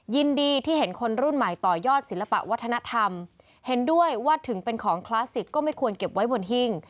ยินดีที่เห็นคนรุ่นใหม่ต่อยอดศิลปะวัฒนธรรมเห็นด้วยว่าถึงเป็นของคลาสสิกก็ไม่ควรเก็บไว้บนหิ้ง